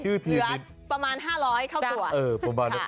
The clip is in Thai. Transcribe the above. เหลือประมาณห้าร้อยเข้าตัว